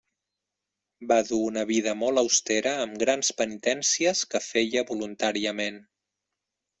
Va dur una vida molt austera amb grans penitències que feia voluntàriament.